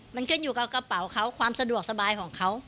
มันขึ้นอยู่กับกระเป๋าเขาความสะดวกสบายของเขา